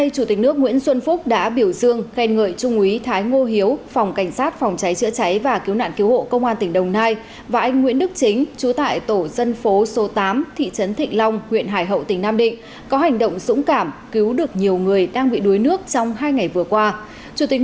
các bạn hãy đăng ký kênh để ủng hộ kênh của chúng mình nhé